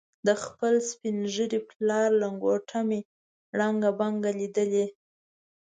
د خپل سپین ږیري پلار لنګوټه مې ړنګه بنګه لیدلې.